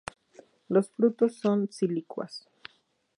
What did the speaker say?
Los frutos son silicuas.